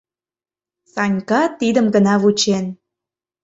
Санька тидым гына вучен.